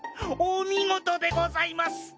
お見事でございます！